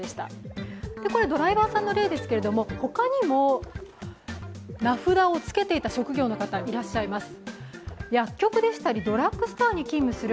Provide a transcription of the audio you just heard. これはドライバーさんの例ですが、他にも名札をつけていた職業の方いらっしゃいます。